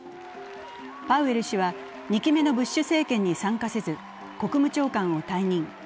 パウエル氏は２期目のブッシュ政権に参加せず、国務長官を退任。